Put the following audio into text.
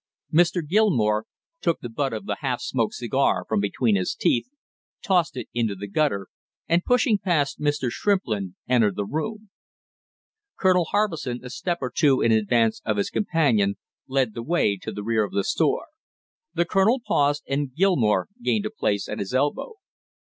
Mr. Gilmore took the butt of the half smoked cigar from between his teeth, tossed it into the gutter, and pushing past Mr. Shrimplin entered the room. Colonel Harbison, a step or two in advance of his companion, led the way to the rear of the store. The colonel paused, and Gilmore gained a place at his elbow.